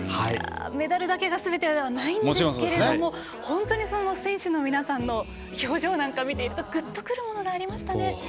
メダルだけがすべてではないんですけども本当に選手の皆さんの表情を見ているとぐっとくるものがありましたね。